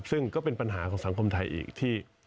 ซึ่งก็เป็นปัญหาของสังคมไทยอีกที่